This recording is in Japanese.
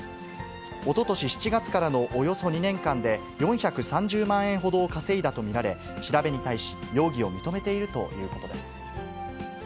おととし７月からのおよそ２年間で４３０万円ほどを稼いだと見られ、調べに対し、容疑を認めているということです。